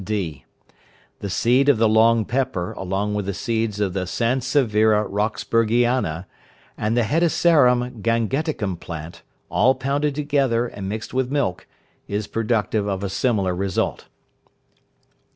(d). The seed of the long pepper along with the seeds of the sanseviera roxburghiana, and the hedysarum gangeticum plant, all pounded together, and mixed with milk, is productive of a similar result.